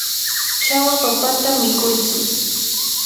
chawa papata mikuytsu.